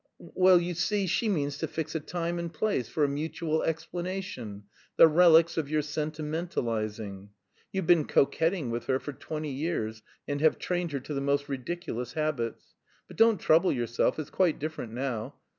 "Well, you see, she means to fix a time and place for a mutual explanation, the relics of your sentimentalising. You've been coquetting with her for twenty years and have trained her to the most ridiculous habits. But don't trouble yourself, it's quite different now.